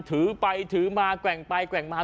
ถือไปถือมาแกว่งไปแกว่งมา